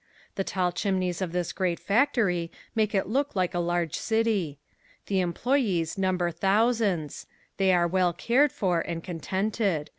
The tall chimneys of this great factory make it look like a large city. The employees number thousands. They are well cared for and contented.